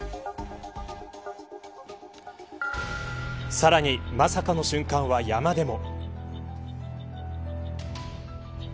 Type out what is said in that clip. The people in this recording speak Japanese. さらにまさかの瞬間は山でも。